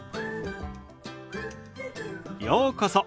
ようこそ。